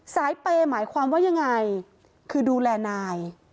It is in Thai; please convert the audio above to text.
เปย์หมายความว่ายังไงคือดูแลนาย